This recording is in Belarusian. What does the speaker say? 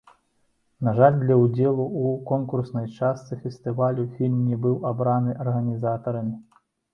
На жаль, для ўдзелу ў конкурснай частцы фестывалю фільм не быў абраны арганізатарамі.